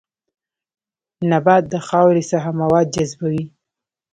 نبات د خاورې څخه مواد جذبوي